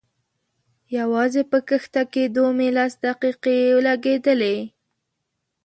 يوازې په کښته کېدو مې لس دقيقې لګېدلې.